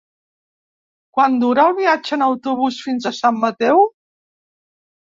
Quant dura el viatge en autobús fins a Sant Mateu?